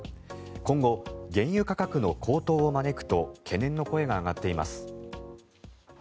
今後、原油価格の高騰を招くと懸念の声が上がっています。